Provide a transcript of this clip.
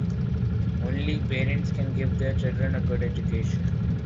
Only parents can give their children a good education.